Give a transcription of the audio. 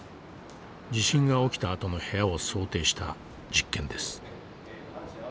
地震が起きたあとの部屋を想定した実験です。